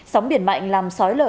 sóng biển mạnh làm sói lở